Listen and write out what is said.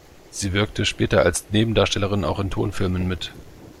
Sie wirkte später als Nebendarstellerin auch in Tonfilmen mit.